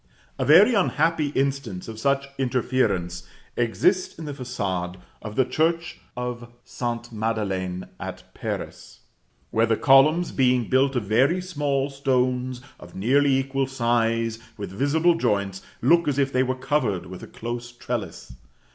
A very unhappy instance of such interference exists in the façade of the church of St. Madeleine at Paris, where the columns, being built of very small stones of nearly equal size, with visible joints, look as if they were covered with a close trellis.